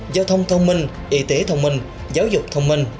giao thông thông minh y tế thông minh giáo dục thông minh